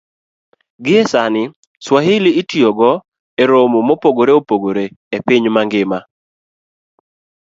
Gie sani, Swahili itiyogo e romo mopogore opogore e piny ngima